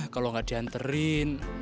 kalo gak dihanterin